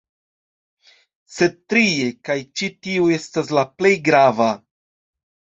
Sed trie, kaj ĉi tiu estas la plej grava